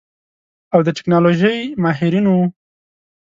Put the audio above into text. او د ټيکنالوژۍ ماهرين وو.